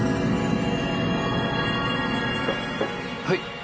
はい！